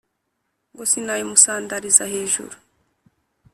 Ngo sinayimusandariza hejuru,